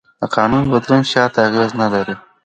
د قانون بدلون شاته اغېز نه لري.